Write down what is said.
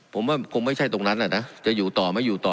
ผมว่าคงไม่ใช่ตรงนั้นแหละนะจะอยู่ต่อไม่อยู่ต่อ